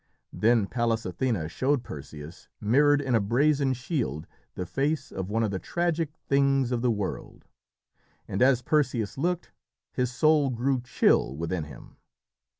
Then Pallas Athené showed Perseus, mirrored in a brazen shield, the face of one of the tragic things of the world. And as Perseus looked, his soul grew chill within him.